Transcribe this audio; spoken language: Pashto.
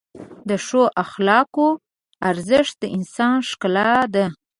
د ښو اخلاقو ارزښت د انسان ښکلا ده.